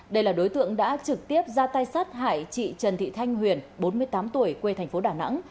đây là đối tượng đã trực tiếp ra tay sát hại chị trần thị thanh huyền bốn mươi tám tuổi quê thành phố đà nẵng